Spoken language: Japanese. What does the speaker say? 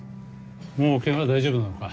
もうケガ大丈夫なのか？